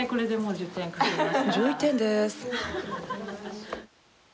１１点です。